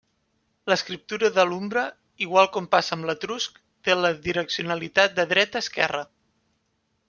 L'escriptura de l'umbre, igual com passa amb l'etrusc, té la direccionalitat de dreta a esquerra.